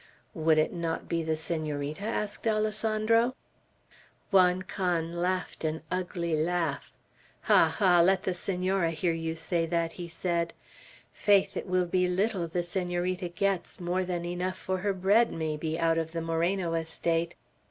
"Would it not be the Senorita?" asked Alessandro. Juan Can laughed an ugly laugh. "Ha, ha! Let the Senora hear you say that!" he said. "Faith, it will be little the Senorita gets more than enough for her bread, may be, out of the Moreno estate.